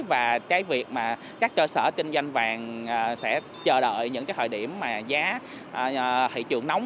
và cái việc mà các cơ sở kinh doanh vàng sẽ chờ đợi những cái thời điểm mà giá thị trường nóng